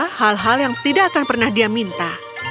ada hal hal yang tidak akan pernah dia minta